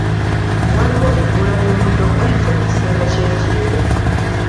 Waliwo ebbula ly'omuddo gw'ente mu kiseera ky'ekyeya.